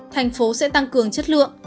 thành phố sẽ tăng cường chất lượng